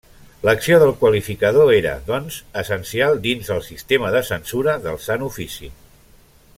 L'acció del qualificador era, doncs, essencial dins el sistema de censura del Sant Ofici.